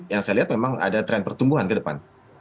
yang saya lihat memang ada tren pertumbuhan ke depan